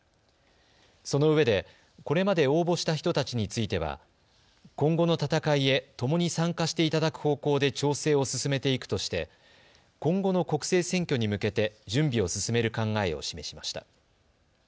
そのうえで、これまで応募した人たちについては今後の戦いへ共に参加していただく方向で調整を進めていくとして今後の国政選挙に向けて準備を進める考えを示しました。